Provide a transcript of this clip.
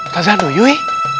kau jadul yui